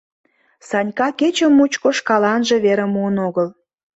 Санька кече мучко шкаланже верым муын огыл.